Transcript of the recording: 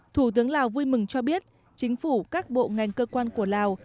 thủ tướng lào vui mừng cho biết chính phủ các bộ ngành cơ quan của lào